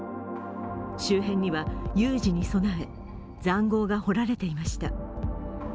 周辺には有事に備えざんごうが掘られていました。